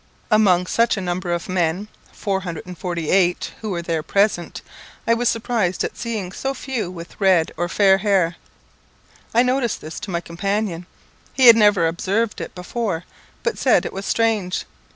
Among such a number of men, 448, who were there present, I was surprised at seeing so few with red or fair hair. I noticed this to my companion. He had never observed it before, but said it was strange.